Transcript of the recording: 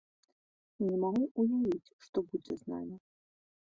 Не магу ўявіць, што будзе з намі.